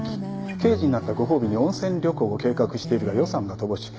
刑事になったご褒美に温泉旅行を計画しているが予算は乏しい。